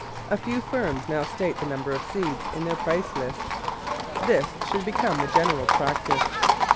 A few firms now state the number of seeds in their price lists. This should be come the general practice.